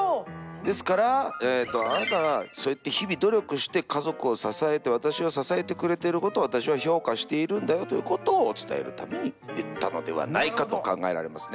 ですからあなたがそうやって日々努力して家族を支えて私を支えてくれてることを私は評価しているんだよということを伝えるために言ったのではないかと考えられますね。